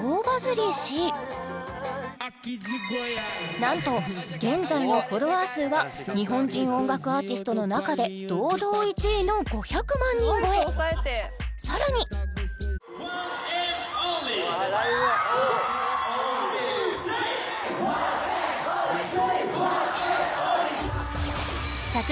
なんと現在のフォロワー数は日本人音楽アーティストの中で堂々１位の５００万人超えさらにＳａｙ！